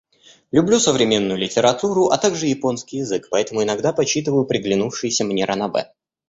Люблю современную литературу, а также японский язык, поэтому иногда почитываю приглянувшиеся мне ранобэ.